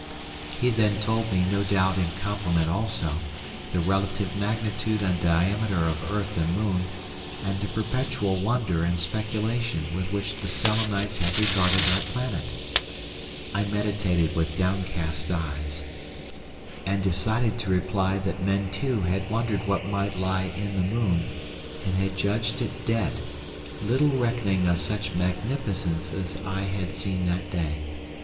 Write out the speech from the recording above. He then told me no doubt in compliment also, the relative magnitude and diameter of earth and moon, and the perpetual wonder and speculation with which the Selenites had regarded our planet. I meditated with downcast eyes, and decided to reply that men too had wondered what might lie in the moon, and had judged it dead, little recking of such magnificence as I had seen that day.